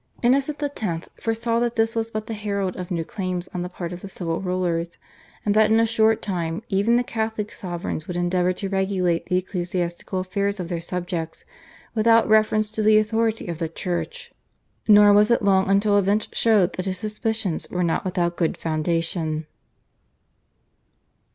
Innocent X. foresaw that this was but the herald of new claims on the part of the civil rulers, and that in a short time even the Catholic sovereigns would endeavour to regulate the ecclesiastical affairs of their subjects without reference to the authority of the Church. Nor was it long until events showed that his suspicions were not without good foundation.